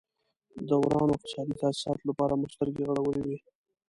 د ورانو اقتصادي تاسیساتو لپاره مو سترګې غړولې وې.